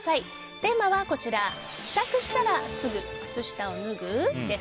テーマは帰宅したらすぐ靴下を脱ぐ？です。